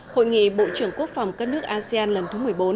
hội nghị bộ trưởng quốc phòng các nước asean lần thứ một mươi bốn